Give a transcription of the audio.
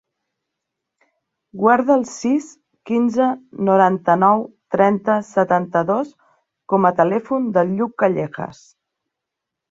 Guarda el sis, quinze, noranta-nou, trenta, setanta-dos com a telèfon del Lluc Callejas.